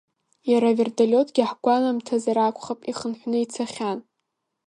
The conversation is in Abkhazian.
Иара аверталиотгьы ҳгәанамҭазар акәхап ихынҳәны ицахьан.